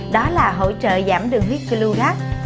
đó là hỗ trợ giảm đường huyết glugac